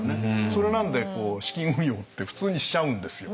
それなんで資金運用って普通にしちゃうんですよ。